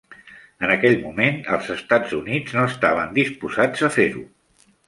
En aquell moment, els Estats Units no estaven disposats a fer-ho.